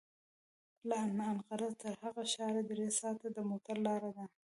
له انقره تر هغه ښاره درې ساعته د موټر لاره ده.